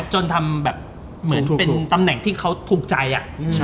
จนทำแบบเหมือนเป็นตำแหน่งที่เขาถูกใจอะ